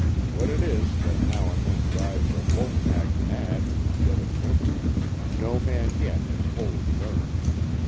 What it is that now and then drives a wolf pack mad in the dead of winter no man yet has wholly learned.